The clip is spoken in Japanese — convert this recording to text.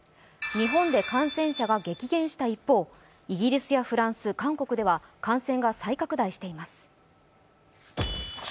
日本で感染者が激減した一方、イギリスやフランス、韓国では感染が再拡大しています。